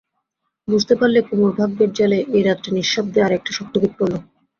বুঝতে পারলে কুমুর ভাগ্যের জালে এই রাত্রে নিঃশব্দে আর-একটা শক্ত গিঁঠ পড়ল।